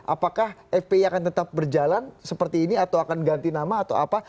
apakah fpi akan tetap berjalan seperti ini atau akan ganti nama atau apa